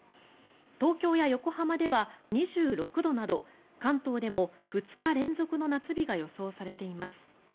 東京や横浜では２６度など関東でも２日連続の夏日が予想されています。